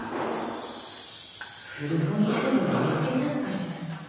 古本屋ででも見つけたのかしら。